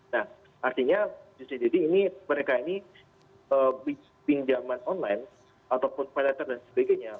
nah artinya ucdd ini mereka ini pinjaman online ataupun paylater dan sebagainya